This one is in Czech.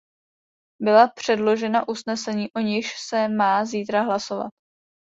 Byla předložena usnesení, o nichž se má zítra hlasovat.